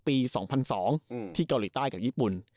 ปี๒๐๐๒ที่เกาหลีใต้กับญี่ปุ่น